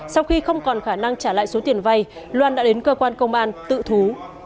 sau khi không còn khả năng trả lại số tiền vay loan đã đến cơ quan công an tự thú